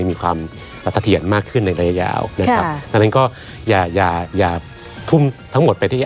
มีความสะเทียดมากขึ้นในระยะยาวครับทั้งก็อย่าทุ่มทั้งหมดไปที่